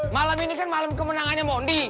malam ini kan malam kemenangannya mondi